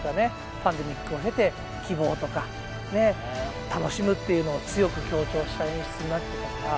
パンデミックを経て希望とか楽しむというのを強く強調した演出になってたから。